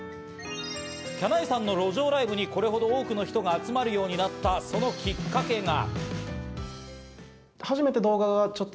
きゃないさんの路上ライブにこれほど多くの人が集まるようになった、そのきっかけが。